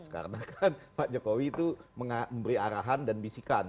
karena kan pak jokowi itu memberi arahan dan bisikan